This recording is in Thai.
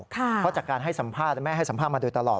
เพราะจากการให้สัมภาษณ์แม่ให้สัมภาษณ์มาโดยตลอด